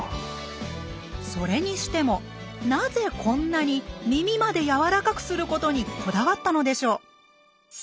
それにしてもなぜこんなにみみまでやわらかくすることにこだわったのでしょう。